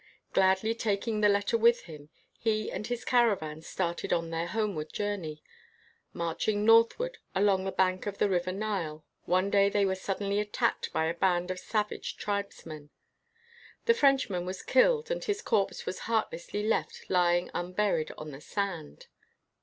Gladly taking the letter with him, he and his caravan started on their home ward journey. Marching northward along the bank of the River Nile, one day they were suddenly attacked by a band of savage tribesmen. The Frenchman was killed and his corpse was heartlessly left lying un buried on the sand.